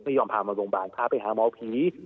ไม่ยอมพามาโรงพยาบาลพาไปหาหมอผี